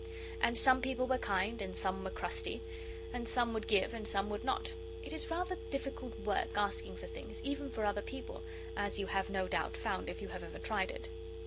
And some people were kind, and some were crusty. And some would give and some would not. It is rather difficult work asking for things, even for other people, as you have no doubt found if you have ever tried it.